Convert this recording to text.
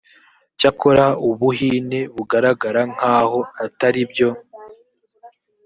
cyakora ubuhine bugaragara nkaho ataribyo.